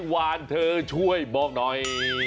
วานเธอช่วยบอกหน่อย